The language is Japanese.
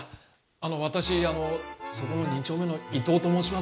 あの私あのそこの２丁目の伊藤と申します。